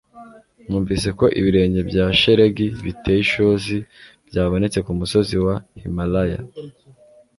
Numvise ko ibirenge bya shelegi biteye ishozi byabonetse kumusozi wa Himalaya